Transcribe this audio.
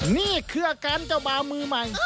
นี่คือการเจ้าบ่าวมือใหม่